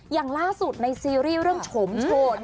อย่างล่าสุดในซีรีส์เรื่องโฉมโชว์